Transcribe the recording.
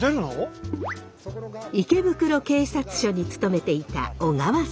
池袋警察署に勤めていた小川さん。